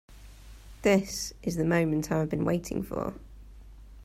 This is the moment I have been waiting for.